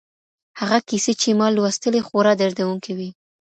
هغه کیسې چي ما لوستلې خورا دردونکي وې.